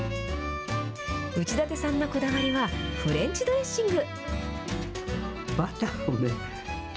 内館さんのこだわりはフレンチドレッシング。